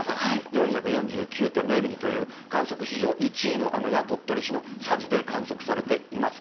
４４９．０ミリという観測史上１位の雨が鳥取市の佐治で観測されています。